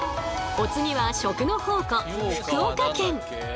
お次は食の宝庫福岡県。